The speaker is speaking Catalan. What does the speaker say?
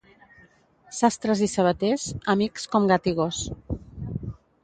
Sastres i sabaters, amics com gat i gos.